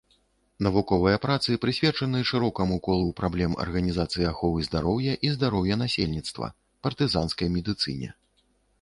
Навуковыя працы прысвечаны шырокаму колу праблем арганізацыі аховы здароўя і здароўя насельніцтва, партызанскай медыцыне.